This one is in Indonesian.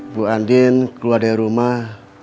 bu andin keluar dari rumah